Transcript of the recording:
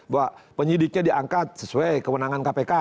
bahwa penyidiknya diangkat sesuai kewenangan kpk